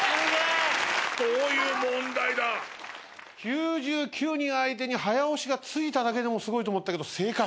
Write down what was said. ９９人相手に早押しがついただけでもすごいと思ったけど正解。